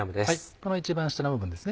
この一番下の部分ですね